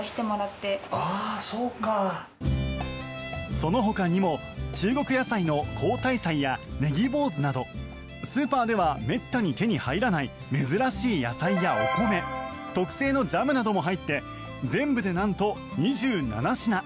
そのほかにも中国野菜のコウタイサイやネギ坊主など、スーパーではめったに手に入らない珍しい野菜やお米特製のジャムなども入って全部でなんと２７品。